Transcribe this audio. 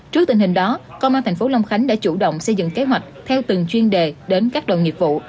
trước tình hình đó công an thành phố long khánh đã chủ động xây dựng kế hoạch theo từng chuyên đề đến các đoàn nghiệp vụ